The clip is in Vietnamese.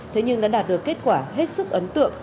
thế nhưng đã đạt được kết quả hết sức ấn tượng